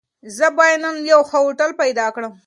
زه بايد نن يو ښه هوټل پيدا کړم.